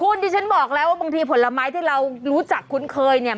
คุณดิฉันบอกแล้วว่าบางทีผลไม้ที่เรารู้จักคุ้นเคยเนี่ย